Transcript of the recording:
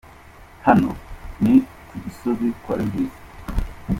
Hano ni ku Gisozi kwa Regis.